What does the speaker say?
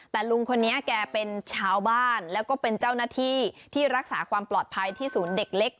แต่ลุงคนนี้แกเป็นชาวบ้านแล้วก็เป็นเจ้าหน้าที่ที่รักษาความปลอดภัยที่ศูนย์เด็กเล็ก